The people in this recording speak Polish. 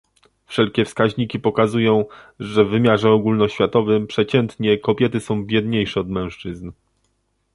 Wszelkie wskaźniki pokazują, że w wymiarze ogólnoświatowym przeciętnie kobiety są biedniejsze od mężczyzn